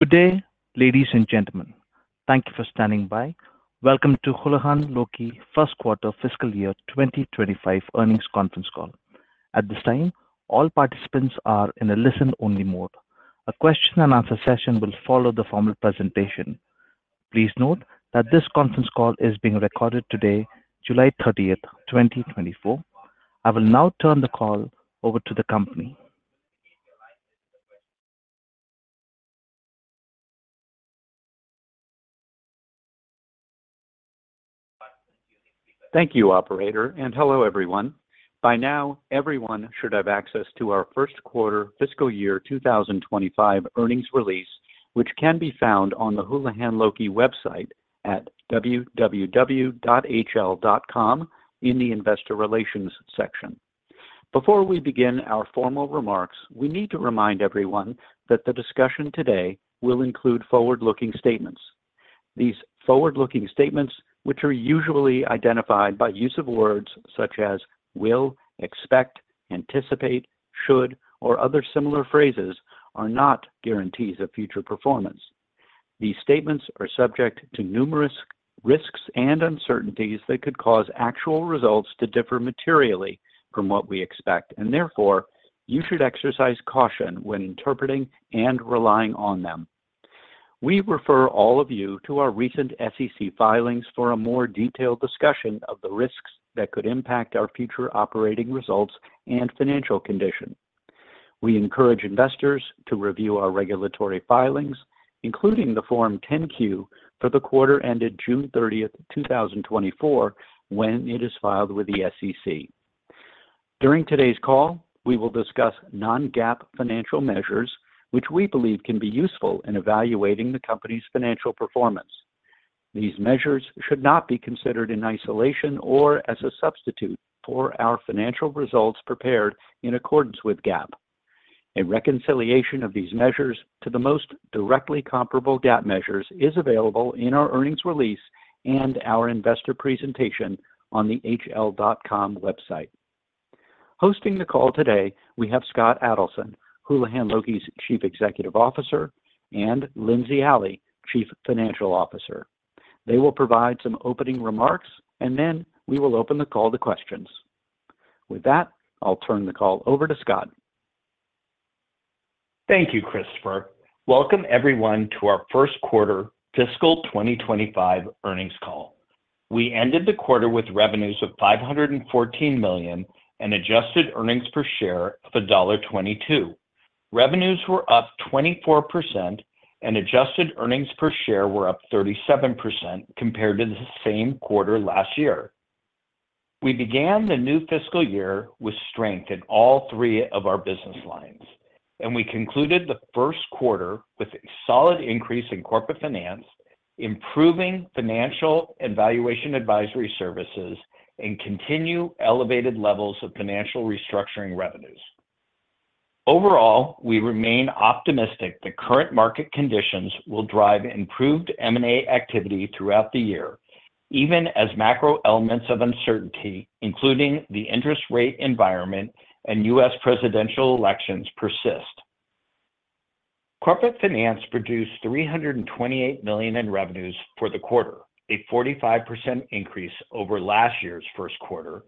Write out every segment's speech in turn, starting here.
Good day, ladies and gentlemen. Thank you for standing by. Welcome to Houlihan Lokey’s First Quarter Fiscal Year 2025 Earnings Conference Call. At this time, all participants are in a listen-only mode. A question-and-answer session will follow the formal presentation. Please note that this conference call is being recorded today, July 30th, 2024. I will now turn the call over to the company. Thank you, Operator, and hello everyone. By now, everyone should have access to our First Quarter Fiscal Year 2025 earnings release, which can be found on the Houlihan Lokey website at www.hl.com in the Investor Relations section. Before we begin our formal remarks, we need to remind everyone that the discussion today will include forward-looking statements. These forward-looking statements, which are usually identified by use of words such as will, expect, anticipate, should, or other similar phrases, are not guarantees of future performance. These statements are subject to numerous risks and uncertainties that could cause actual results to differ materially from what we expect, and therefore, you should exercise caution when interpreting and relying on them. We refer all of you to our recent SEC filings for a more detailed discussion of the risks that could impact our future operating results and financial condition. We encourage investors to review our regulatory filings, including the Form 10-Q for the quarter ended June 30th, 2024, when it is filed with the SEC. During today's call, we will discuss non-GAAP financial measures, which we believe can be useful in evaluating the company's financial performance. These measures should not be considered in isolation or as a substitute for our financial results prepared in accordance with GAAP. A reconciliation of these measures to the most directly comparable GAAP measures is available in our earnings release and our investor presentation on the hl.com website. Hosting the call today, we have Scott Adelson, Houlihan Lokey's Chief Executive Officer, and Lindsey Alley, Chief Financial Officer. They will provide some opening remarks, and then we will open the call to questions. With that, I'll turn the call over to Scott. Thank you, Christopher. Welcome everyone to our First Quarter Fiscal 2025 Earnings Call. We ended the quarter with revenues of $514 million and adjusted earnings per share of $1.22. Revenues were up 24%, and adjusted earnings per share were up 37% compared to the same quarter last year. We began the new fiscal year with strength in all three of our business lines, and we concluded the first quarter with a solid increase in Corporate Finance, improving Financial and Valuation Advisory services, and continued elevated levels of Financial Restructuring revenues. Overall, we remain optimistic that current market conditions will drive improved M&A activity throughout the year, even as macro elements of uncertainty, including the interest rate environment and U.S. presidential elections, persist. Corporate Finance produced $328 million in revenues for the quarter, a 45% increase over last year's first quarter,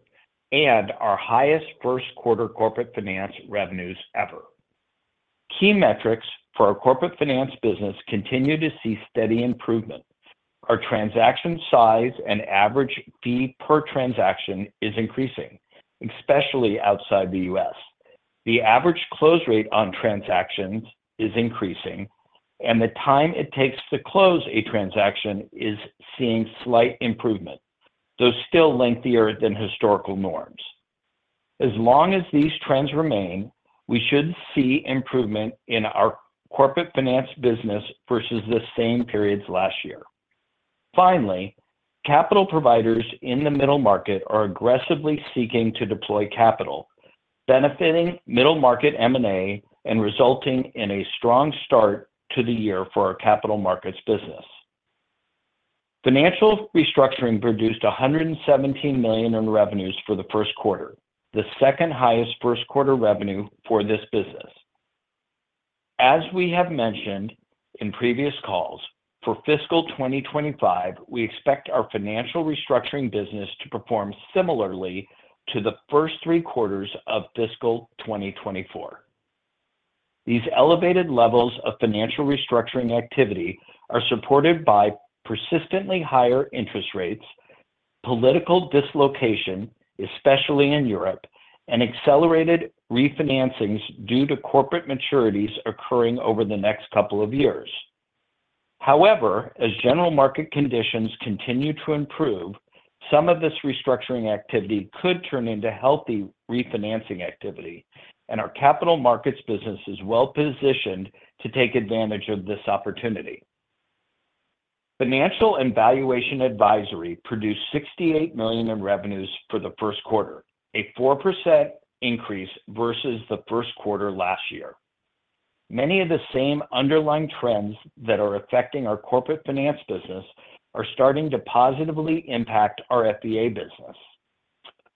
and our highest first quarter Corporate Finance revenues ever. Key metrics for our Corporate Finance business continue to see steady improvement. Our transaction size and average fee per transaction is increasing, especially outside the U.S. The average close rate on transactions is increasing, and the time it takes to close a transaction is seeing slight improvement, though still lengthier than historical norms. As long as these trends remain, we should see improvement in our Corporate Finance business versus the same periods last year. Finally, capital providers in the middle market are aggressively seeking to deploy capital, benefiting middle market M&A and resulting in a strong start to the year for our Capital Markets business. Financial Restructuring produced $117 million in revenues for the first quarter, the second highest first quarter revenue for this business. As we have mentioned in previous calls, for fiscal 2025, we expect our Financial Restructuring business to perform similarly to the first three quarters of fiscal 2024. These elevated levels of Financial Restructuring activity are supported by persistently higher interest rates, political dislocation, especially in Europe, and accelerated refinancings due to corporate maturities occurring over the next couple of years. However, as general market conditions continue to improve, some of this restructuring activity could turn into healthy refinancing activity, and Capital Markets business is well positioned to take advantage of this opportunity. Financial and Valuation Advisory produced $68 million in revenues for the first quarter, a 4% increase versus the first quarter last year. Many of the same underlying trends that are affecting our Corporate Finance business are starting to positively impact our FVA business.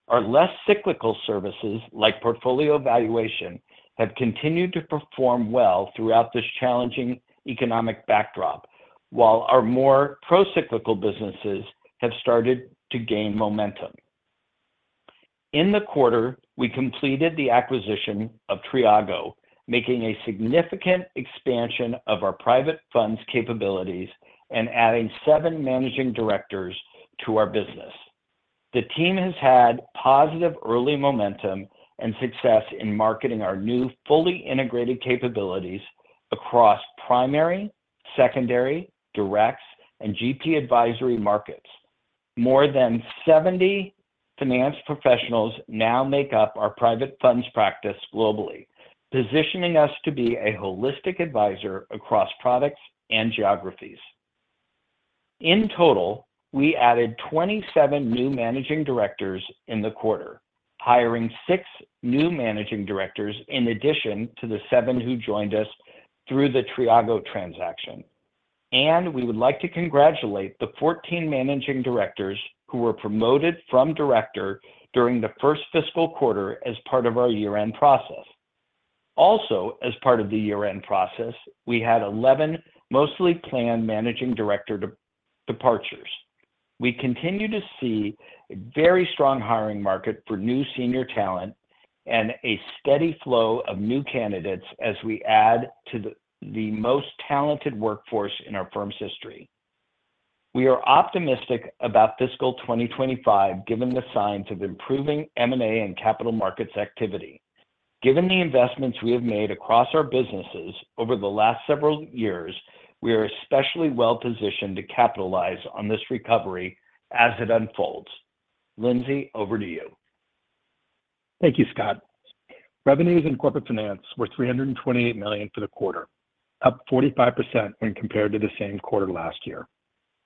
Our less cyclical services, like Portfolio Valuation, have continued to perform well throughout this challenging economic backdrop, while our more pro-cyclical businesses have started to gain momentum. In the quarter, we completed the acquisition of Triago, making a significant expansion of our private funds capabilities and adding seven managing directors to our business. The team has had positive early momentum and success in marketing our new fully integrated capabilities across primary, secondary, direct, and GP advisory markets. More than 70 finance professionals now make up our private funds practice globally, positioning us to be a holistic advisor across products and geographies. In total, we added 27 new managing directors in the quarter, hiring six new managing directors in addition to the seven who joined us through the Triago transaction. We would like to congratulate the 14 managing directors who were promoted from director during the first fiscal quarter as part of our year-end process. Also, as part of the year-end process, we had 11 mostly planned managing director departures. We continue to see a very strong hiring market for new senior talent and a steady flow of new candidates as we add to the most talented workforce in our firm's history. We are optimistic about fiscal 2025, given the signs of improving M&A and Capital Markets activity. Given the investments we have made across our businesses over the last several years, we are especially well positioned to capitalize on this recovery as it unfolds. Lindsey, over to you. Thank you, Scott. Revenues in Corporate Finance were $328 million for the quarter, up 45% when compared to the same quarter last year.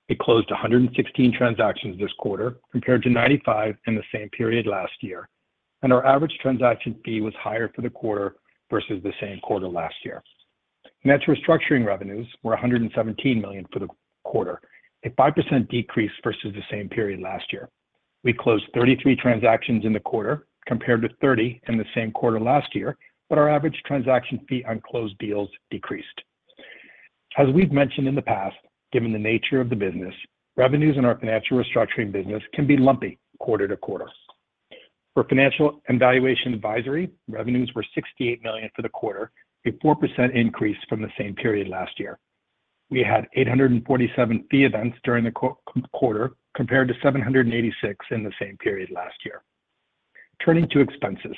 It closed 116 transactions this quarter, compared to 95 in the same period last year, and our average transaction fee was higher for the quarter versus the same quarter last year. Net restructuring revenues were $117 million for the quarter, a 5% decrease versus the same period last year. We closed 33 transactions in the quarter, compared to 30 in the same quarter last year, but our average transaction fee on closed deals decreased. As we've mentioned in the past, given the nature of the business, revenues in our Financial Restructuring business can be lumpy quarter to quarter. For Financial and Valuation Advisory, revenues were $68 million for the quarter, a 4% increase from the same period last year. We had 847 fee events during the quarter, compared to 786 in the same period last year. Turning to expenses,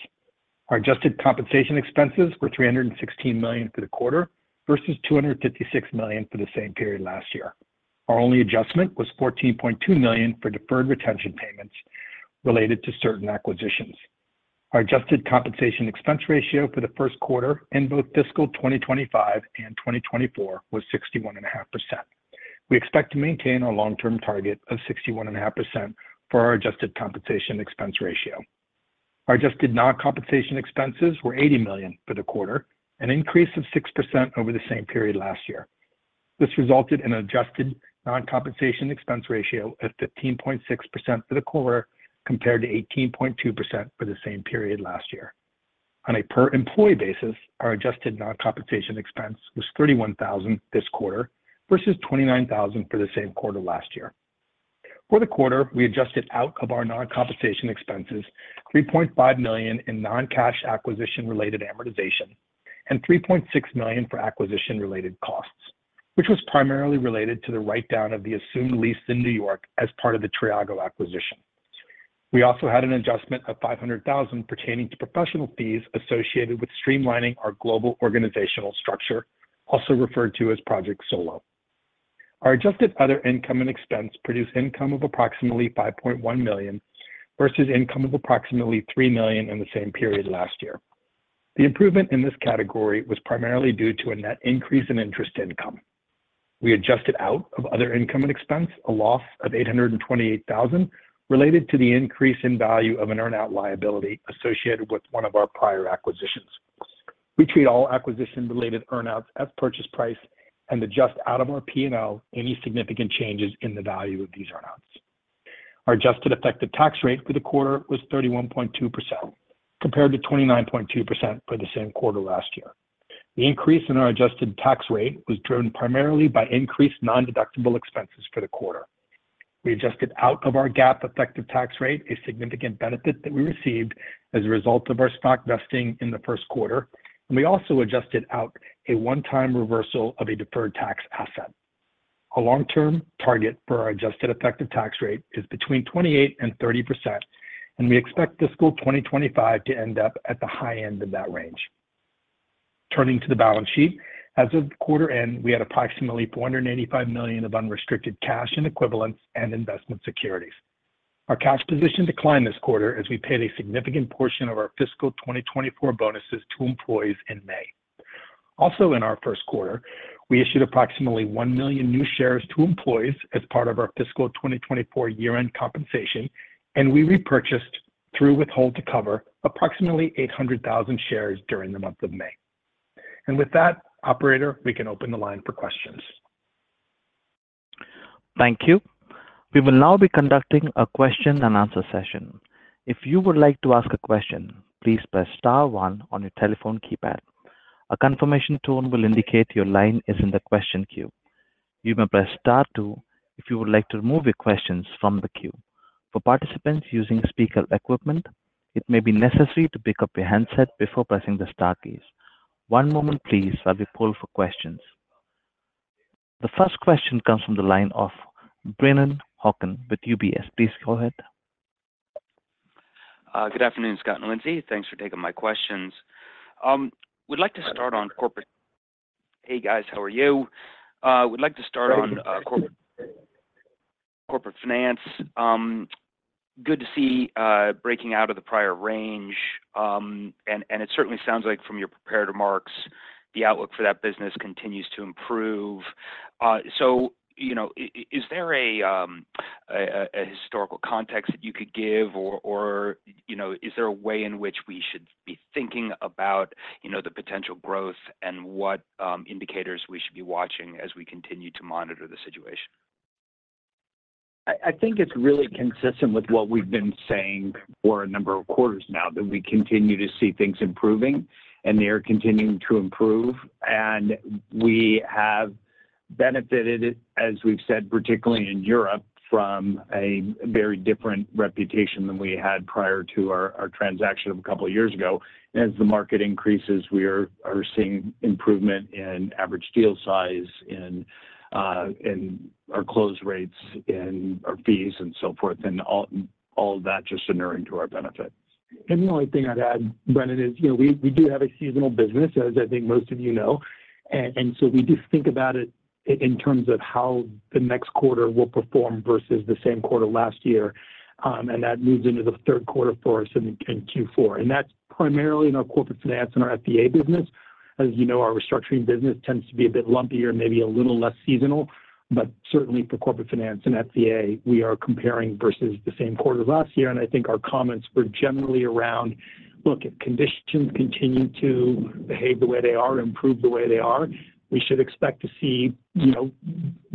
our adjusted compensation expenses were $316 million for the quarter versus $256 million for the same period last year. Our only adjustment was $14.2 million for deferred retention payments related to certain acquisitions. Our adjusted compensation expense ratio for the first quarter in both fiscal 2025 and 2024 was 61.5%. We expect to maintain our long-term target of 61.5% for our adjusted compensation expense ratio. Our adjusted non-compensation expenses were $80 million for the quarter, an increase of 6% over the same period last year. This resulted in an adjusted non-compensation expense ratio of 15.6% for the quarter, compared to 18.2% for the same period last year. On a per-employee basis, our adjusted non-compensation expense was $31,000 this quarter versus $29,000 for the same quarter last year. For the quarter, we adjusted out of our non-compensation expenses $3.5 million in non-cash acquisition-related amortization and $3.6 million for acquisition-related costs, which was primarily related to the write-down of the assumed lease in New York as part of the Triago acquisition. We also had an adjustment of $500,000 pertaining to professional fees associated with streamlining our global organizational structure, also referred to as Project Solo. Our adjusted other income and expense produced income of approximately $5.1 million versus income of approximately $3 million in the same period last year. The improvement in this category was primarily due to a net increase in interest income. We adjusted out of other income and expense a loss of $828,000 related to the increase in value of an earn-out liability associated with one of our prior acquisitions. We treat all acquisition-related earn-outs as purchase price and adjust out of our P&L any significant changes in the value of these earn-outs. Our adjusted effective tax rate for the quarter was 31.2%, compared to 29.2% for the same quarter last year. The increase in our adjusted tax rate was driven primarily by increased non-deductible expenses for the quarter. We adjusted out of our GAAP effective tax rate a significant benefit that we received as a result of our stock vesting in the first quarter, and we also adjusted out a one-time reversal of a deferred tax asset. A long-term target for our adjusted effective tax rate is between 28% and 30%, and we expect fiscal 2025 to end up at the high end of that range. Turning to the balance sheet, as of quarter end, we had approximately $485 million of unrestricted cash and equivalents and investment securities. Our cash position declined this quarter as we paid a significant portion of our fiscal 2024 bonuses to employees in May. Also, in our first quarter, we issued approximately one million new shares to employees as part of our fiscal 2024 year-end compensation, and we repurchased, through withhold to cover, approximately 800,000 shares during the month of May. With that, Operator, we can open the line for questions. Thank you. We will now be conducting a question-and-answer session. If you would like to ask a question, please press star one on your telephone keypad. A confirmation tone will indicate your line is in the question queue. You may press star two if you would like to remove your questions from the queue. For participants using speaker equipment, it may be necessary to pick up your handset before pressing the star keys. One moment, please, while we pull for questions. The first question comes from the line of Brennan Hawken with UBS. Please go ahead. Good afternoon, Scott and Lindsey. Thanks for taking my questions. Would like to start on Corporate. Hey, guys, how are you? Would like to start on Corporate Finance. Good to see breaking out of the prior range. It certainly sounds like, from your prepared remarks, the outlook for that business continues to improve. Is there a historical context that you could give, or is there a way in which we should be thinking about the potential growth and what indicators we should be watching as we continue to monitor the situation? I think it's really consistent with what we've been saying for a number of quarters now, that we continue to see things improving, and they are continuing to improve. And we have benefited, as we've said, particularly in Europe, from a very different reputation than we had prior to our transaction of a couple of years ago. As the market increases, we are seeing improvement in average deal size, in our close rates, in our fees, and so forth, and all of that just inuring to our benefit. The only thing I'd add, Brennan, is we do have a seasonal business, as I think most of you know. So we do think about it in terms of how the next quarter will perform versus the same quarter last year, and that moves into the third quarter for us in Q4. That's primarily in our Corporate Finance and our FVA business. As you know, our restructuring business tends to be a bit lumpier and maybe a little less seasonal, but certainly for Corporate Finance and FVA, we are comparing versus the same quarter last year. I think our comments were generally around, "Look, if conditions continue to behave the way they are and improve the way they are, we should expect to see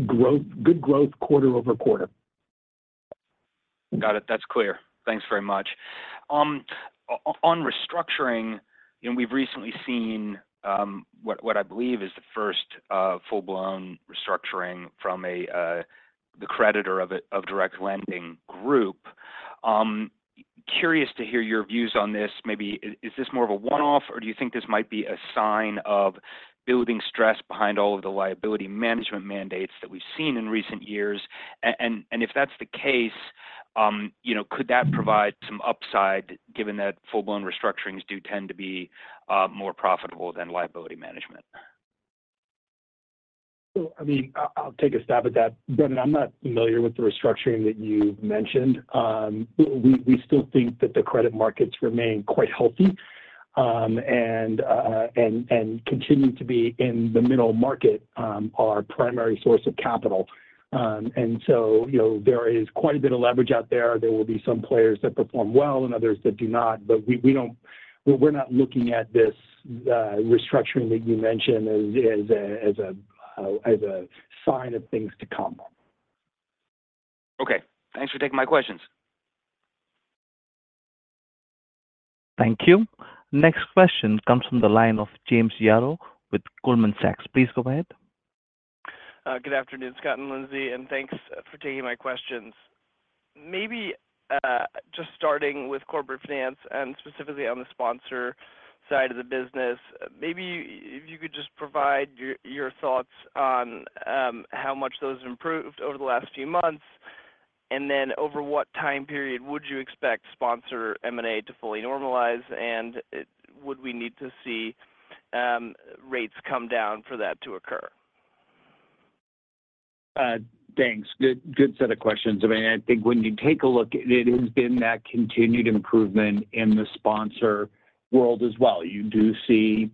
good growth quarter-over-quarter." Got it. That's clear. Thanks very much. On restructuring, we've recently seen what I believe is the first full-blown restructuring from the creditor of direct lending group. Curious to hear your views on this. Maybe is this more of a one-off, or do you think this might be a sign of building stress behind all of the liability management mandates that we've seen in recent years? And if that's the case, could that provide some upside, given that full-blown restructurings do tend to be more profitable than liability management? I mean, I'll take a stab at that. Brennan, I'm not familiar with the restructuring that you mentioned. We still think that the credit markets remain quite healthy and continue to be, in the middle market, our primary source of capital. And so there is quite a bit of leverage out there. There will be some players that perform well and others that do not, but we're not looking at this restructuring that you mentioned as a sign of things to come. Okay. Thanks for taking my questions. Thank you. Next question comes from the line of James Yaro with Goldman Sachs. Please go ahead. Good afternoon, Scott and Lindsey, and thanks for taking my questions. Maybe just starting with Corporate Finance and specifically on the sponsor side of the business, maybe if you could just provide your thoughts on how much those have improved over the last few months, and then over what time period would you expect sponsor M&A to fully normalize, and would we need to see rates come down for that to occur? Thanks. Good set of questions. I mean, I think when you take a look, it has been that continued improvement in the sponsor world as well. You do see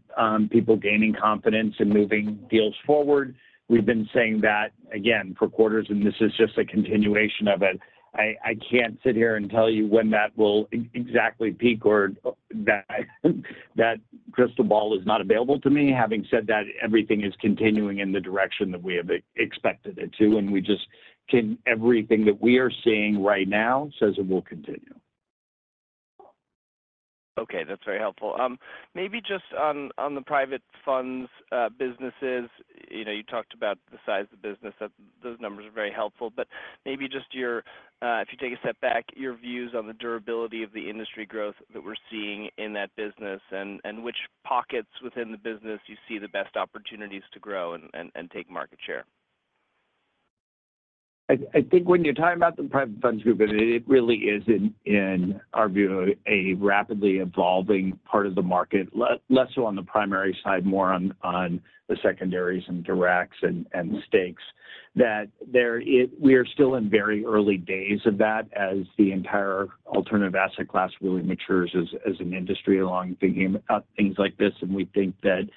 people gaining confidence and moving deals forward. We've been saying that, again, for quarters, and this is just a continuation of it. I can't sit here and tell you when that will exactly peak or that crystal ball is not available to me. Having said that, everything is continuing in the direction that we have expected it to, and everything that we are seeing right now says it will continue. Okay. That's very helpful. Maybe just on the private funds businesses, you talked about the size of the business. Those numbers are very helpful. But maybe just, if you take a step back, your views on the durability of the industry growth that we're seeing in that business and which pockets within the business you see the best opportunities to grow and take market share. I think when you're talking about the Private Funds Group, it really is, in our view, a rapidly evolving part of the market, less so on the primary side, more on the secondaries and directs and stakes, that we are still in very early days of that as the entire alternative asset class really matures as an industry along thinking about things like this. And we think that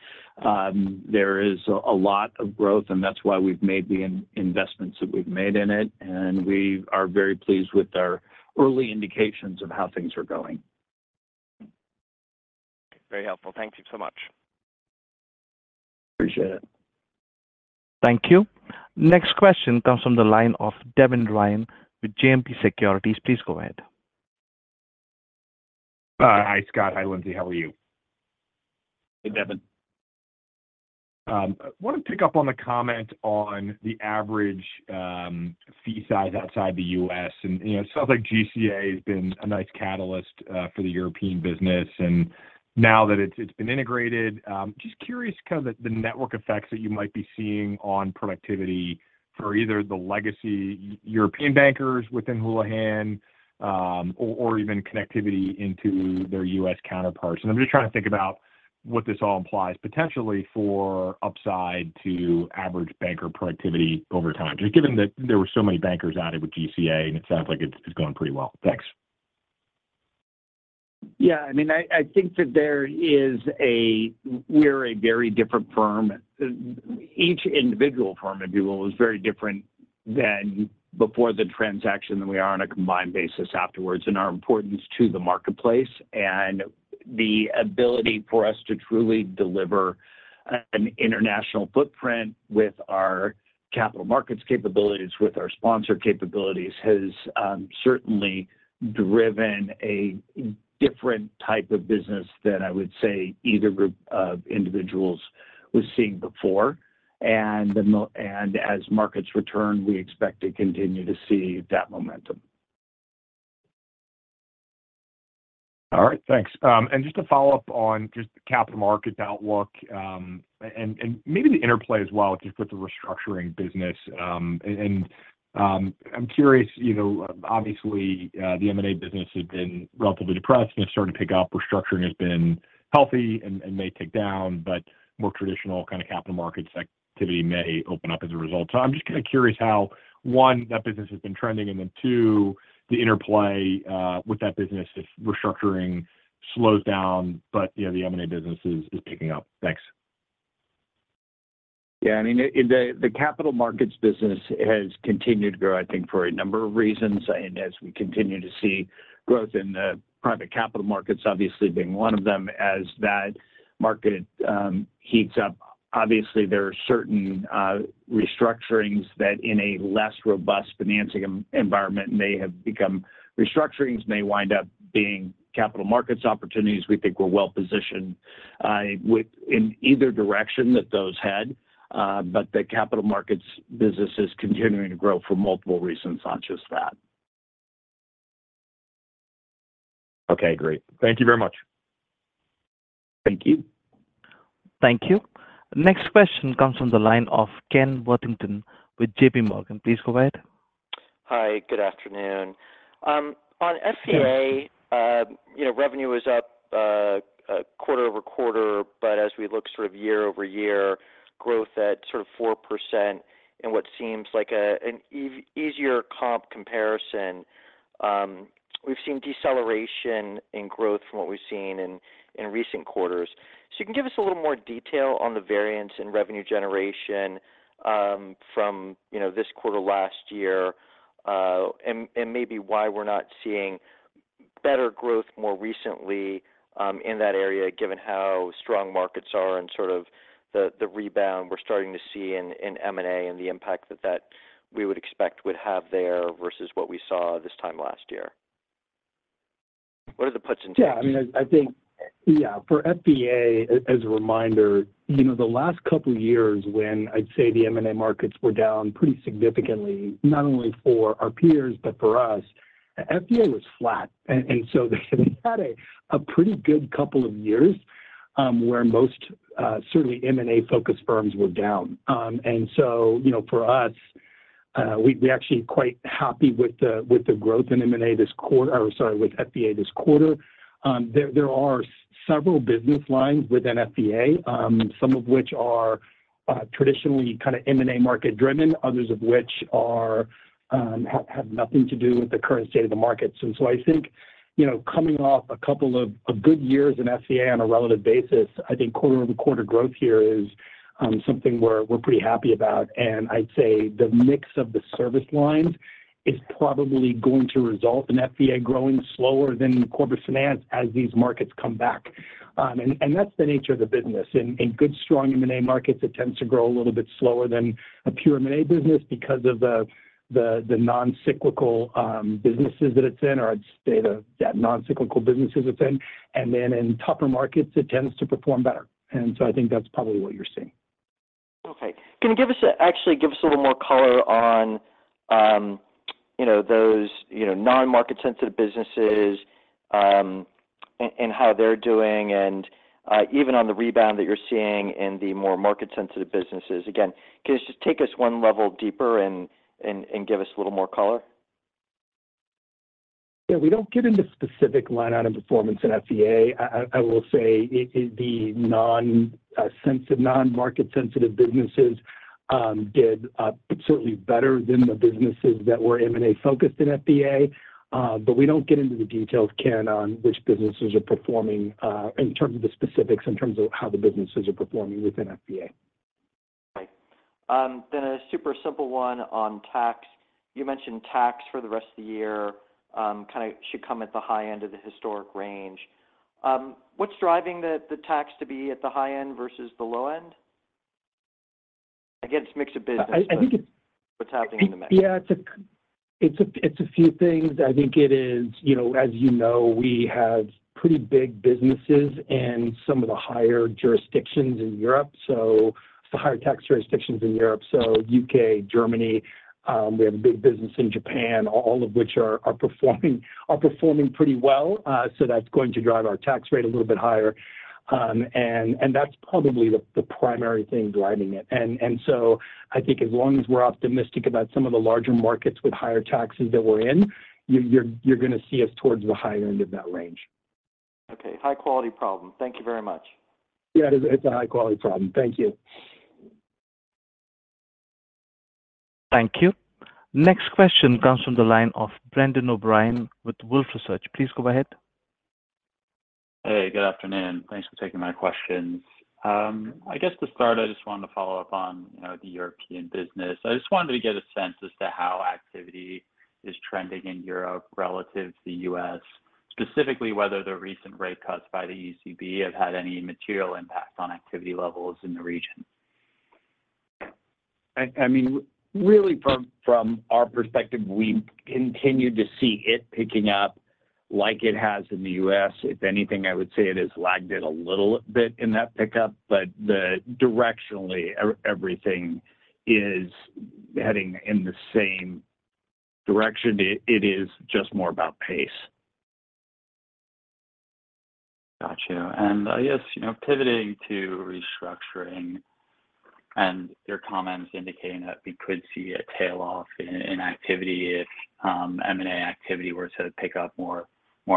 there is a lot of growth, and that's why we've made the investments that we've made in it, and we are very pleased with our early indications of how things are going. Very helpful. Thank you so much. Appreciate it. Thank you. Next question comes from the line of Devin Ryan with JMP Securities. Please go ahead. Hi, Scott. Hi, Lindsey. How are you? Hey, Devin. I want to pick up on the comment on the average fee size outside the U.S. And it sounds like GCA has been a nice catalyst for the European business. And now that it's been integrated, just curious kind of the network effects that you might be seeing on productivity for either the legacy European bankers within Houlihan or even connectivity into their U.S. counterparts. And I'm just trying to think about what this all implies potentially for upside to average banker productivity over time, just given that there were so many bankers out of GCA, and it sounds like it's going pretty well. Thanks. Yeah. I mean, I think that we are a very different firm. Each individual firm, if you will, is very different than before the transaction than we are on a combined basis afterwards in our importance to the marketplace. And the ability for us to truly deliver an international footprint with our Capital Markets capabilities, with our sponsor capabilities, has certainly driven a different type of business than I would say either group of individuals was seeing before. And as markets return, we expect to continue to see that momentum. All right. Thanks. Just to follow up on just the Capital Markets outlook and maybe the interplay as well with just the restructuring business. I'm curious. Obviously, the M&A business has been relatively depressed and is starting to pick up. Restructuring has been healthy and may tick down, but more traditional kind of Capital Markets activity may open up as a result. I'm just kind of curious how, one, that business has been trending, and then, two, the interplay with that business if restructuring slows down, but the M&A business is picking up. Thanks. Yeah. I mean, Capital Markets business has continued to grow, I think, for a number of reasons. And as we continue to see growth in the private Capital Markets, obviously being one of them, as that market heats up, obviously, there are certain restructurings that, in a less robust financing environment, may have become restructurings may wind up being Capital Markets opportunities we think we're well positioned in either direction that those head, but Capital Markets business is continuing to grow for multiple reasons, not just that. Okay. Great. Thank you very much. Thank you. Thank you. Next question comes from the line of Ken Worthington with JPMorgan. Please go ahead. Hi. Good afternoon. On FVA, revenue is up quarter-over-quarter, but as we look sort of year-over-year, growth at sort of 4% in what seems like an easier comparison. We've seen deceleration in growth from what we've seen in recent quarters. So you can give us a little more detail on the variance in revenue generation from this quarter last year and maybe why we're not seeing better growth more recently in that area, given how strong markets are and sort of the rebound we're starting to see in M&A and the impact that we would expect would have there versus what we saw this time last year. What are the puts and takes? Yeah. I mean, I think, yeah, for FVA, as a reminder, the last couple of years when I'd say the M&A markets were down pretty significantly, not only for our peers, but for us, FVA was flat. And so they had a pretty good couple of years where most certainly M&A-focused firms were down. And so for us, we're actually quite happy with the growth in M&A this quarter or sorry, with FVA this quarter. There are several business lines within FVA, some of which are traditionally kind of M&A market-driven, others of which have nothing to do with the current state of the market. And so I think coming off a couple of good years in FVA on a relative basis, I think quarter-over-quarter growth here is something we're pretty happy about. I'd say the mix of the service lines is probably going to result in FVA growing slower than Corporate Finance as these markets come back. And that's the nature of the business. In good, strong M&A markets, it tends to grow a little bit slower than a pure M&A business because of the non-cyclical businesses that it's in, or I'd say the non-cyclical businesses it's in. And then in tougher markets, it tends to perform better. And so I think that's probably what you're seeing. Okay. Can you actually give us a little more color on those non-market-sensitive businesses and how they're doing and even on the rebound that you're seeing in the more market-sensitive businesses? Again, can you just take us one level deeper and give us a little more color? Yeah. We don't get into specific line item performance in FVA. I will say the non-market-sensitive businesses did certainly better than the businesses that were M&A-focused in FVA. But we don't get into the details, Ken, on which businesses are performing in terms of the specifics in terms of how the businesses are performing within FVA. Okay. Then a super simple one on tax. You mentioned tax for the rest of the year kind of should come at the high end of the historic range. What's driving the tax to be at the high end versus the low end? Again, it's a mix of business. I think it's. What's happening in the mix? Yeah. It's a few things. I think it is, as you know, we have pretty big businesses in some of the higher jurisdictions in Europe. So it's the higher tax jurisdictions in Europe, so U.K., Germany. We have a big business in Japan, all of which are performing pretty well. So that's going to drive our tax rate a little bit higher. And that's probably the primary thing driving it. And so I think as long as we're optimistic about some of the larger markets with higher taxes that we're in, you're going to see us towards the higher end of that range. Okay. High-quality problem. Thank you very much. Yeah. It's a high-quality problem. Thank you. Thank you. Next question comes from the line of Brendan O'Brien with Wolfe Research. Please go ahead. Hey. Good afternoon. Thanks for taking my questions. I guess to start, I just wanted to follow up on the European business. I just wanted to get a sense as to how activity is trending in Europe relative to the U.S., specifically whether the recent rate cuts by the ECB have had any material impact on activity levels in the region. I mean, really, from our perspective, we continue to see it picking up like it has in the U.S. If anything, I would say it has lagged it a little bit in that pickup, but directionally, everything is heading in the same direction. It is just more about pace. Gotcha. I guess pivoting to restructuring and your comments indicating that we could see a tail off in activity if M&A activity were to pick up more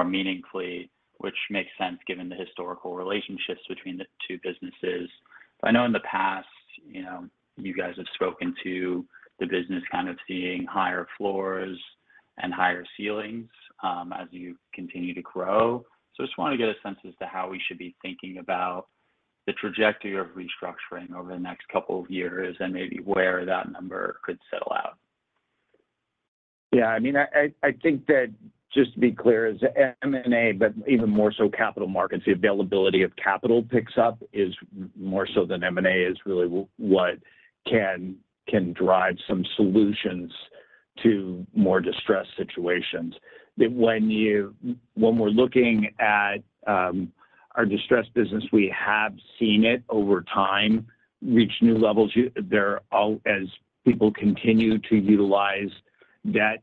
meaningfully, which makes sense given the historical relationships between the two businesses. I know in the past you guys have spoken to the business kind of seeing higher floors and higher ceilings as you continue to grow. I just want to get a sense as to how we should be thinking about the trajectory of restructuring over the next couple of years and maybe where that number could settle out. Yeah. I mean, I think that just to be clear, as M&A, but even more so Capital Markets, the availability of capital picks up is more so than M&A is really what can drive some solutions to more distressed situations. When we're looking at our distressed business, we have seen it over time reach new levels. As people continue to utilize debt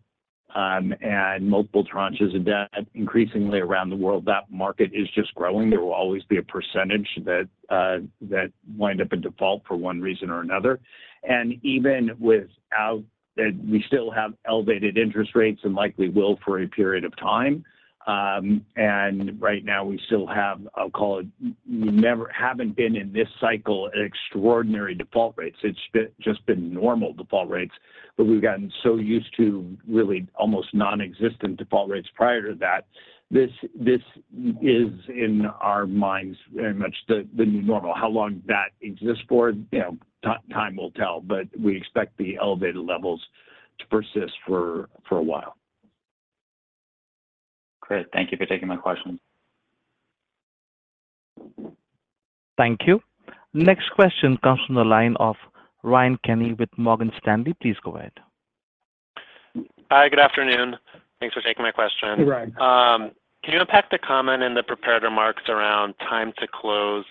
and multiple tranches of debt increasingly around the world, that market is just growing. There will always be a percentage that wind up in default for one reason or another. And even without that, we still have elevated interest rates and likely will for a period of time. And right now, we still have, I'll call it, we haven't been in this cycle at extraordinary default rates. It's just been normal default rates, but we've gotten so used to really almost nonexistent default rates prior to that. This is, in our minds, very much the new normal. How long that exists for, time will tell, but we expect the elevated levels to persist for a while. Great. Thank you for taking my questions. Thank you. Next question comes from the line of Ryan Kenny with Morgan Stanley. Please go ahead. Hi. Good afternoon. Thanks for taking my question. You're right. Can you unpack the comment in the prepared remarks around time to close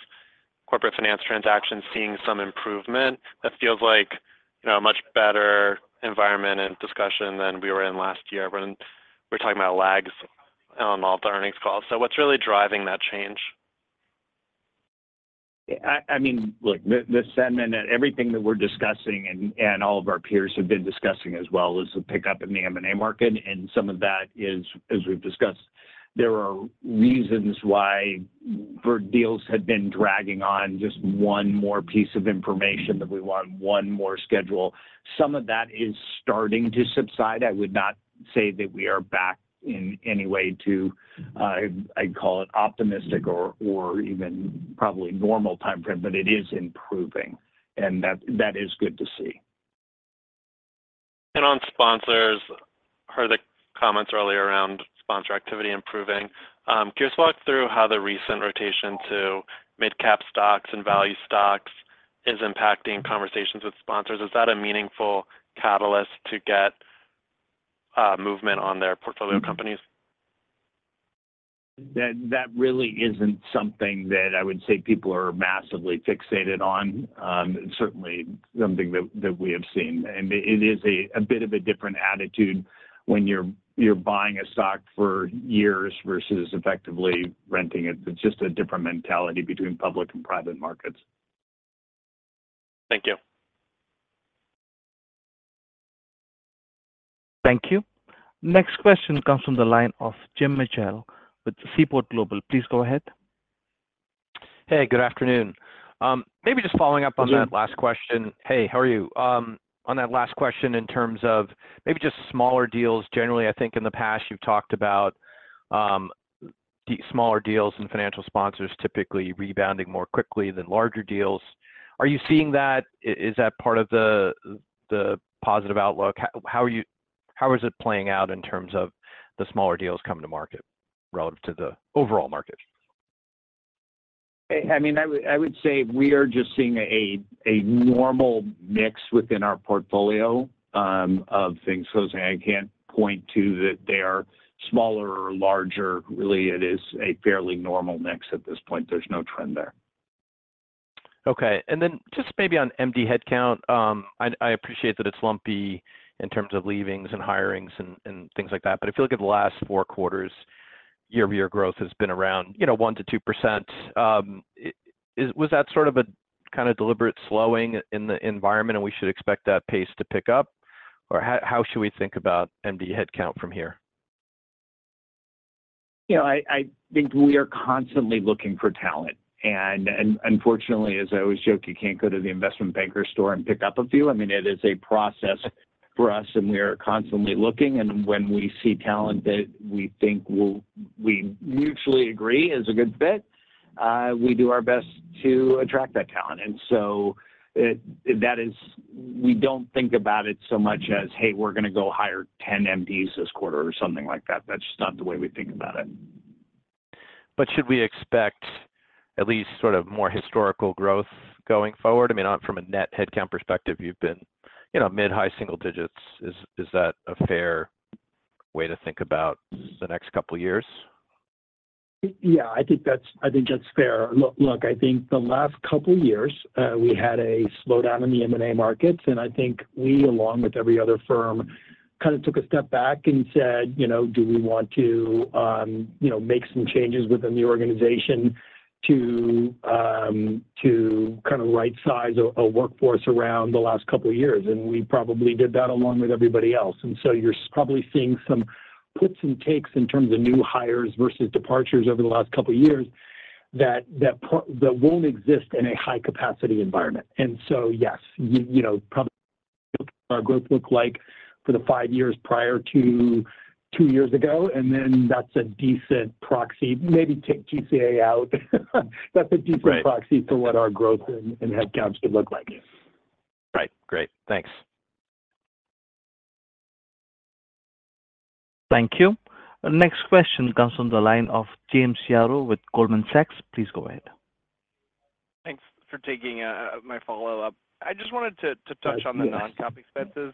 Corporate Finance transactions seeing some improvement? That feels like a much better environment and discussion than we were in last year. We're talking about lags on all the earnings calls. So what's really driving that change? I mean, look, the sentiment that everything that we're discussing and all of our peers have been discussing as well is the pickup in the M&A market. And some of that is, as we've discussed, there are reasons why deals had been dragging on just one more piece of information that we want one more schedule. Some of that is starting to subside. I would not say that we are back in any way to, I'd call it, optimistic or even probably normal timeframe, but it is improving. And that is good to see. On sponsors, the comments earlier around sponsor activity improving, can you just walk through how the recent rotation to mid-cap stocks and value stocks is impacting conversations with sponsors? Is that a meaningful catalyst to get movement on their portfolio companies? That really isn't something that I would say people are massively fixated on. It's certainly something that we have seen. It is a bit of a different attitude when you're buying a stock for years versus effectively renting it. It's just a different mentality between public and private markets. Thank you. Thank you. Next question comes from the line of Jim Mitchell with Seaport Global. Please go ahead. Hey. Good afternoon. Maybe just following up on that last question. Hey, how are you? On that last question in terms of maybe just smaller deals generally, I think in the past you've talked about smaller deals and financial sponsors typically rebounding more quickly than larger deals. Are you seeing that? Is that part of the positive outlook? How is it playing out in terms of the smaller deals coming to market relative to the overall market? I mean, I would say we are just seeing a normal mix within our portfolio of things. I can't point to that they are smaller or larger. Really, it is a fairly normal mix at this point. There's no trend there. Okay. And then just maybe on MD headcount, I appreciate that it's lumpy in terms of leavings and hirings and things like that. But if you look at the last four quarters, year-over-year growth has been around 1%-2%. Was that sort of a kind of deliberate slowing in the environment, and we should expect that pace to pick up? Or how should we think about MD headcount from here? I think we are constantly looking for talent. And unfortunately, as I always joke, you can't go to the investment banker store and pick up a few. I mean, it is a process for us, and we are constantly looking. And when we see talent that we think we mutually agree is a good fit, we do our best to attract that talent. And so we don't think about it so much as, "Hey, we're going to go hire 10 MDs this quarter," or something like that. That's just not the way we think about it. Should we expect at least sort of more historical growth going forward? I mean, from a net headcount perspective, you've been mid-high single digits. Is that a fair way to think about the next couple of years? Yeah. I think that's fair. Look, I think the last couple of years, we had a slowdown in the M&A markets. And I think we, along with every other firm, kind of took a step back and said, "Do we want to make some changes within the organization to kind of right-size a workforce around the last couple of years?" And we probably did that along with everybody else. And so you're probably seeing some puts and takes in terms of new hires versus departures over the last couple of years that won't exist in a high-capacity environment. And so yes, probably what our growth looked like for the five years prior to two years ago. And then that's a decent proxy. Maybe take GCA out. That's a decent proxy for what our growth and headcounts should look like. Right. Great. Thanks. Thank you. Next question comes from the line of James Yaro with Goldman Sachs. Please go ahead. Thanks for taking my follow-up. I just wanted to touch on the non-comp expenses.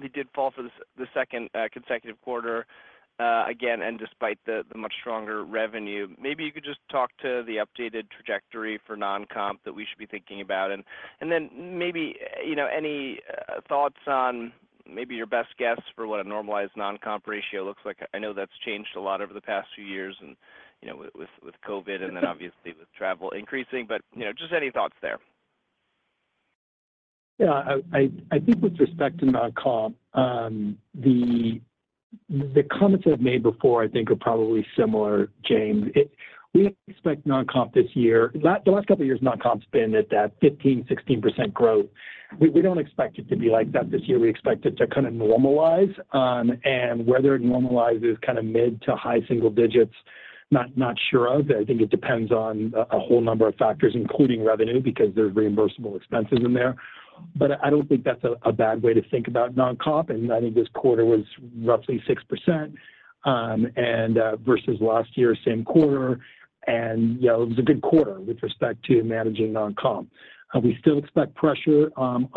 We did fall for the second consecutive quarter again, and despite the much stronger revenue. Maybe you could just talk to the updated trajectory for non-comp that we should be thinking about. And then maybe any thoughts on maybe your best guess for what a normalized non-comp ratio looks like. I know that's changed a lot over the past few years with COVID and then, obviously, with travel increasing. But just any thoughts there? Yeah. I think with respect to non-comp, the comments I've made before, I think, are probably similar, James. We expect non-comp this year. The last couple of years, non-comp's been at that 15%-16% growth. We don't expect it to be like that this year. We expect it to kind of normalize. Whether it normalizes kind of mid to high single digits, not sure of. I think it depends on a whole number of factors, including revenue, because there's reimbursable expenses in there. But I don't think that's a bad way to think about non-comp. I think this quarter was roughly 6% versus last year, same quarter. It was a good quarter with respect to managing non-comp. We still expect pressure on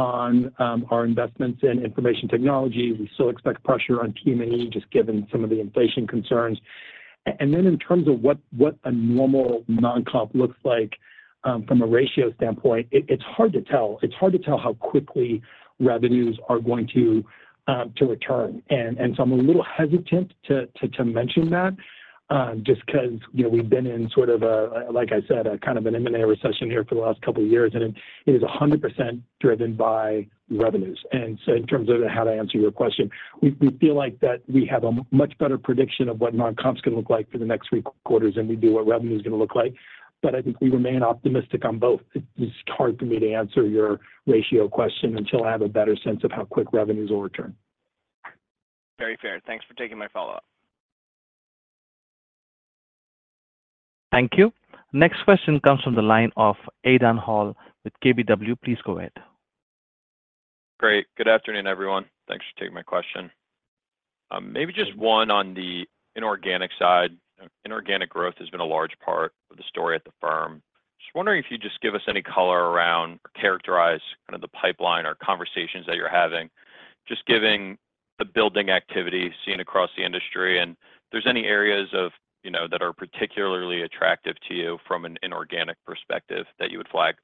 our investments in information technology. We still expect pressure on T&E just given some of the inflation concerns. Then in terms of what a normal non-comp looks like from a ratio standpoint, it's hard to tell. It's hard to tell how quickly revenues are going to return. So I'm a little hesitant to mention that just because we've been in sort of, like I said, kind of an M&A recession here for the last couple of years. It is 100% driven by revenues. So in terms of how to answer your question, we feel like that we have a much better prediction of what non-comps are going to look like for the next three quarters than we do what revenue is going to look like. But I think we remain optimistic on both. It's hard for me to answer your ratio question until I have a better sense of how quick revenues will return. Very fair. Thanks for taking my follow-up. Thank you. Next question comes from the line of Aidan Hall with KBW. Please go ahead. Great. Good afternoon, everyone. Thanks for taking my question. Maybe just one on the inorganic side. Inorganic growth has been a large part of the story at the firm. Just wondering if you'd just give us any color around or characterize kind of the pipeline or conversations that you're having, just given the building activity seen across the industry. If there's any areas that are particularly attractive to you from an inorganic perspective that you would flag.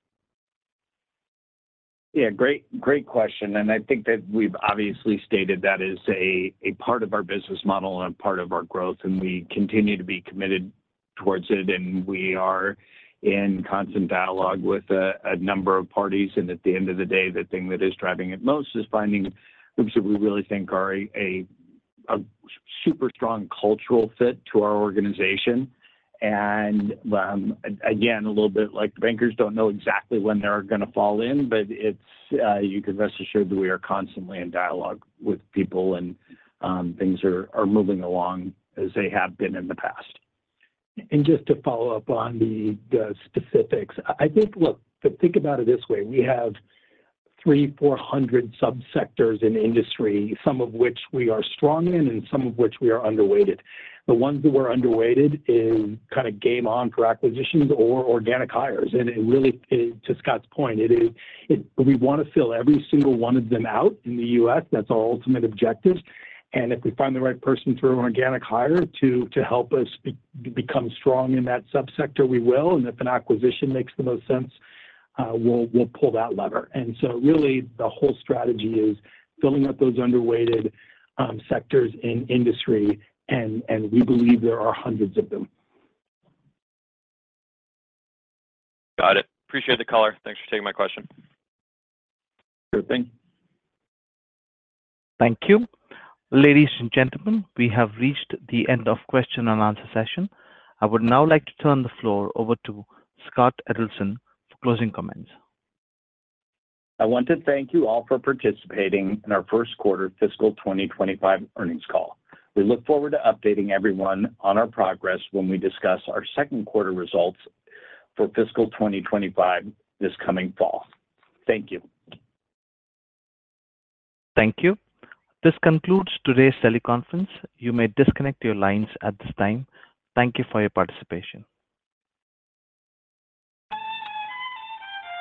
Yeah. Great question. And I think that we've obviously stated that is a part of our business model and a part of our growth. And we continue to be committed towards it. And we are in constant dialogue with a number of parties. And at the end of the day, the thing that is driving it most is finding groups that we really think are a super strong cultural fit to our organization. And again, a little bit like bankers don't know exactly when they're going to fall in, but you can rest assured that we are constantly in dialogue with people, and things are moving along as they have been in the past. And just to follow up on the specifics, I think, look, think about it this way. We have 3,400 subsectors in industry, some of which we are strong in and some of which we are underweighted. The ones that we're underweighted is kind of game on for acquisitions or organic hires. And really, to Scott's point, we want to fill every single one of them out in the U.S. That's our ultimate objective. And if we find the right person through an organic hire to help us become strong in that subsector, we will. And if an acquisition makes the most sense, we'll pull that lever. And so really, the whole strategy is filling up those underweighted sectors in industry. And we believe there are hundreds of them. Got it. Appreciate the color. Thanks for taking my question. Sure thing. Thank you. Ladies and gentlemen, we have reached the end of the question and answer session. I would now like to turn the floor over to Scott Adelson for closing comments. I want to thank you all for participating in our First Quarter Fiscal 2025 Earnings Call. We look forward to updating everyone on our progress when we discuss our second quarter results for fiscal 2025 this coming fall. Thank you. Thank you. This concludes today's teleconference. You may disconnect your lines at this time. Thank you for your participation.